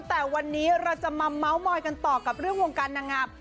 แต่วันนี้เราจะมาเมาส์มอยกันต่อกับเรื่องวงการนางงาม